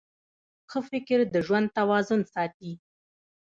ښه فکر د ژوند توازن ساتي.